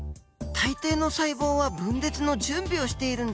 大抵の細胞は分裂の準備をしているんですね。